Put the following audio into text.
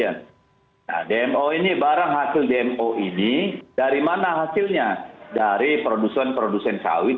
nah dmo ini barang hasil dmo ini dari mana hasilnya dari produsen produsen sawit